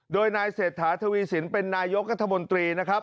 โดยนายเศรษฐธวีศิลป์เป็นนายยกรัฐมนตรี